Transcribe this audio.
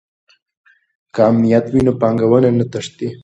که امنیت وي نو پانګونه نه تښتي.